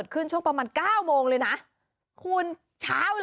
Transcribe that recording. นี่คุณไปสร้างแลนด์มาร์คเหรอ